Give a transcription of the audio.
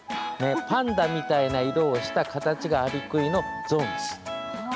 パンダみたいな色をした形がアリクイの、ゾウムシ。